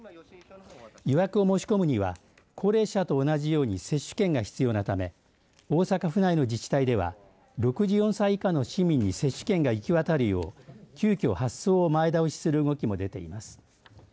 予約を申し込むには高齢者と同じように接種券が必要なため大阪府内の自治体では６４歳以下の市民に接種券が行き渡るよう急きょ発送を前倒しする動きも出ています。